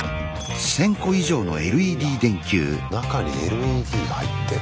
へぇ中にＬＥＤが入ってんだ。